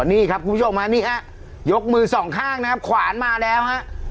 นี่ครับคุณผู้ชมฮะนี่ฮะยกมือสองข้างนะครับขวานมาแล้วฮะ